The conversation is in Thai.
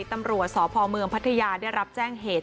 ตำรวจสภปฐยาได้รับแจ้งเหตุ